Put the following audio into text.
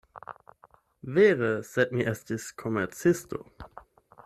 Vere! sed mi estis komercisto!